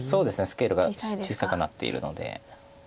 スケールが小さくなっているので。